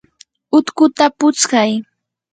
utkuta putskay.